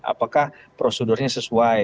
apakah prosedurnya sesuai